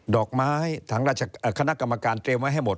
ดอกไม้ทางคณะกรรมการเตรียมไว้ให้หมด